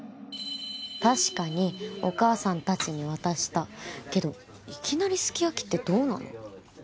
確かにお母さん達に渡したけどいきなりすき焼きってどうなの？